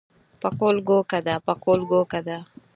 پکول ګو کده پکول ګو کده.